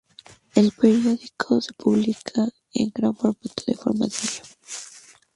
El periódico se publica en gran formato de forma diaria.